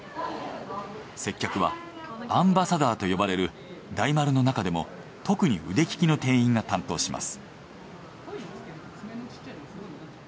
接客はアンバサダーと呼ばれる大丸の中でも特に腕利きの店員が担当します。